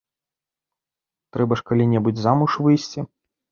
Трэба ж калі-небудзь замуж выйсці.